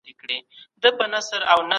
څلور تر پنځو لږ دي.